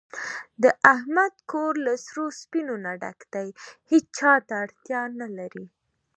د احمد کور له سرو سپینو نه ډک دی، هېچاته اړتیا نه لري.